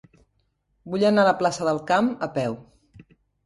Vull anar a la plaça del Camp a peu.